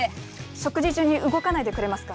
食事中に動かないでくれますか。